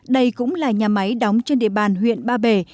đây cũng là nhà máy đóng trên địa bàn huyện ba bể